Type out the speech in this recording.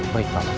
baik pak mas